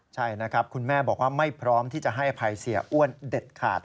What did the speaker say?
ใช่นะครับคุณแม่บอกว่าไม่พร้อมที่จะให้อภัยเสียอ้วนเด็ดขาด